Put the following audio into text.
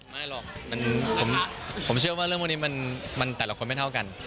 ไม่หรอกผมเชื่อว่าเรื่องพวกนี้มันแต่ละคนไม่เท่ากัน